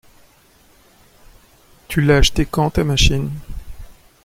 Tu l'as acheté quand ta machine?